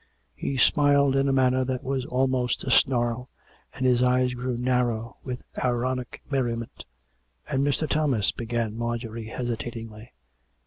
" He smiled in a manner that was almost a snarl, and his eyes grew narrow with ironic merriment. "And Mr. Thomas " began Marjorie hesitatingly.